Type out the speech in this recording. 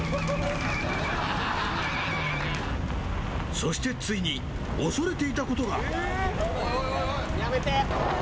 そしてついに、恐れていたことが。